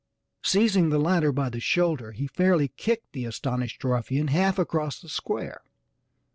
Seizing the latter by the shoulder he fairly kicked the astonished ruffian half across the square.